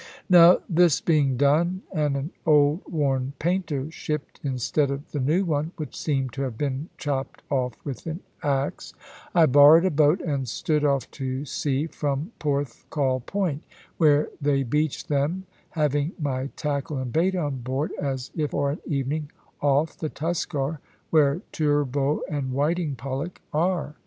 Now this being done, and an old worn painter shipped instead of the new one, which seemed to have been chopped off with an axe, I borrowed a boat and stood off to sea from Porthcawl Point, where they beach them, having my tackle and bait on board, as if for an evening off the Tuskar, where turbot and whiting pollack are.